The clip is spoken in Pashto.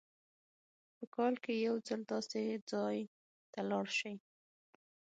په کال کې یو ځل داسې ځای ته لاړ شئ.